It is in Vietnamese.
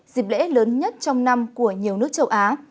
dịp lễ lớn nhất trong năm của nhiều nước châu á